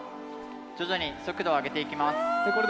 徐々に速度を上げていきます。